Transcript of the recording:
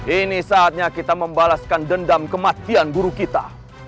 ini saatnya kita membalaskan dendam kematian guru kita